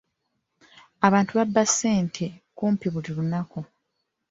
Abantu babba ssente kumpi buli lunaku.